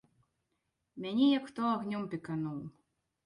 Мяне як хто агнём пекануў.